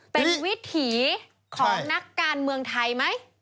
เป็นวิถีของนักการเมืองไทยไหม